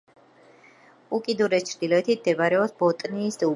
უკიდურეს ჩრდილოეთით მდებარეობს ბოტნიის უბე.